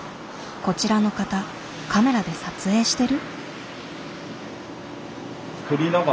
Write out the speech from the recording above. こちらの方カメラで撮影してる？